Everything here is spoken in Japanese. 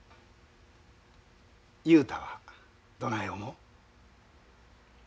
雄太はどない思う？